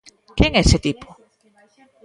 Quen é ese tipo?